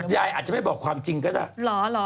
ยายอาจจะไม่บอกความจริงก็ได้